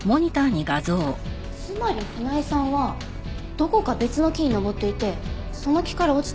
つまり船井さんはどこか別の木に登っていてその木から落ちて死亡した。